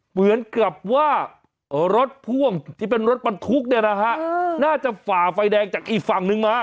เหมือนกับว่ารถพ่วงที่เป็นรถบรรทุกเนี่ยนะฮะน่าจะฝ่าไฟแดงจากอีกฝั่งนึงมา